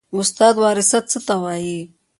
استاده وراثت څه ته وایي